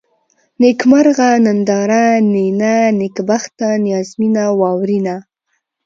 نېکمرغه ، ننداره ، نينه ، نېکبخته ، نيازمنه ، واورېنه